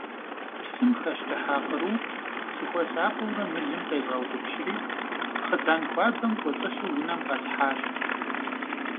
Псым хэщтыхьа кърур, сыхуэсакъыурэ мылым къезгъэутӏыпщри, хъыдан хуабэм кӏуэцӏылъу унэм къэсхьащ.